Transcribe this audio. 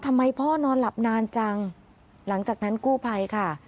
ทำไมพ่อนอนหลับนานจังหลังจากนั้นกู้ภัยค่ะ